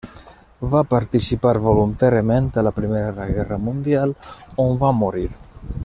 Va participar voluntàriament a la Primera Guerra Mundial on va morir.